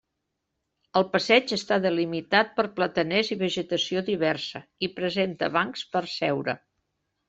El passeig està delimitat per plataners i vegetació diversa, i presenta bancs per seure.